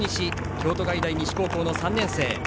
京都外大西高校の３年生。